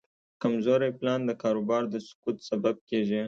کمزوری پلان د کاروبار د سقوط سبب کېږي.